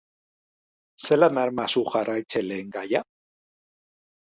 Zelan daramazu jarraitzaileen gaia?